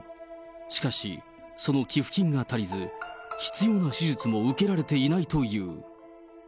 しかし、その寄付金が足りず、必要な手術も受けられていないという。